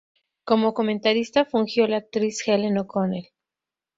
Como comentarista fungió la actriz Helen O'Connell.